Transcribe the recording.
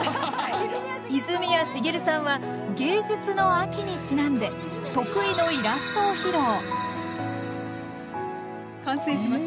泉谷しげるさんは芸術の秋にちなんで得意のイラストを披露完成しました。